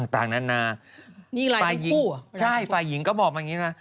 ต่างนานาฝ่ายหญิงก็บอกแบบนี้นะ